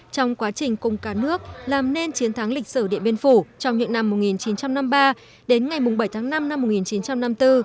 trong quá trình cung cá nước làm nên chiến thắng lịch sử điện biên phủ trong những năm một nghìn chín trăm năm mươi ba đến ngày bảy tháng năm năm một nghìn chín trăm năm mươi bốn